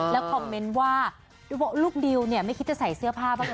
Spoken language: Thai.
แล้วคอมเมนต์ว่าลูกดิวเนี่ยไม่คิดจะใส่เสื้อผ้าบ้างเลย